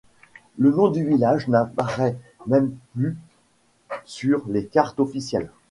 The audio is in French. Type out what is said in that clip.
Le nom du village n'apparaît même plus sur les cartes officielles.